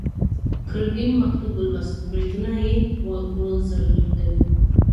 ګرګين مکتوب ولوست، برېتونه يې وځړېدل.